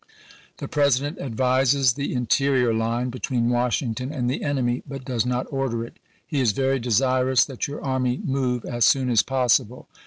The President advises the interior line, between Washington and the enemy, but does not order it. He is very desirous that your army move as soon as possible.